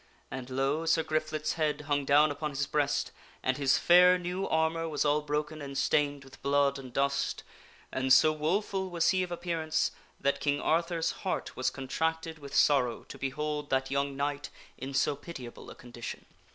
And, lo ! Sir Griflet's head hung down upon his breast, and his fair new armor was all broken and stained with blood and dust. And so woful was he of ap pearance that King Arthur's heart was contracted with sorrow to behold that young knight in so pitiable a condition.